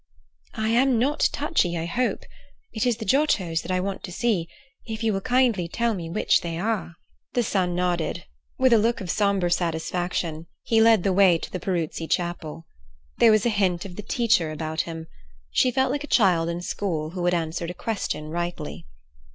"I am not touchy, I hope. It is the Giottos that I want to see, if you will kindly tell me which they are." The son nodded. With a look of sombre satisfaction, he led the way to the Peruzzi Chapel. There was a hint of the teacher about him. She felt like a child in school who had answered a question rightly.